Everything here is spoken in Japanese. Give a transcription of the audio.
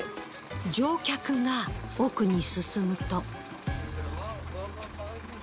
乗客が奥に進むと。